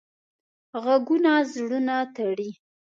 غږونه زړونه تړي